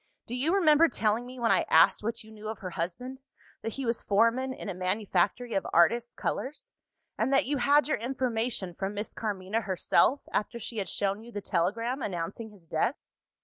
Do you remember telling me, when I asked what you knew of her husband, that he was foreman in a manufactory of artists' colours? and that you had your information from Miss Carmina herself, after she had shown you the telegram announcing his death?